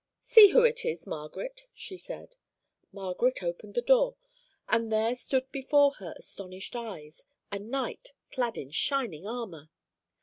"'See who it is, Margaret,' she said. "Margaret opened the door, and there stood before her astonished eyes a knight clad in shining armor.